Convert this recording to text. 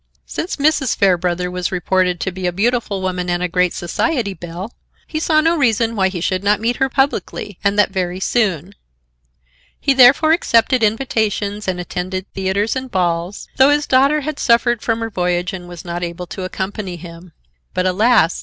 Since Mrs. Fairbrother was reported to be a beautiful woman and a great society belle, he saw no reason why he should not meet her publicly, and that very soon. He therefore accepted invitations and attended theaters and balls, though his daughter had suffered from her voyage and was not able to accompany him. But alas!